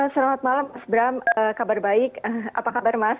selamat malam mas bram kabar baik apa kabar mas